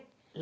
lớn nhất là